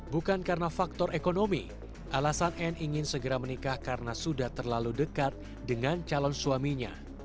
bukan karena faktor ekonomi alasan anne ingin segera menikah karena sudah terlalu dekat dengan calon suaminya